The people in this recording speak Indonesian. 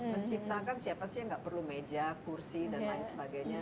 menciptakan siapa sih yang nggak perlu meja kursi dan lain sebagainya